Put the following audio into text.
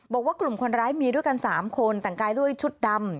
บอกว่ากลุ่มคนร้ายมีด้วยกัน๓คนแต่งกายด้วยชุดดำ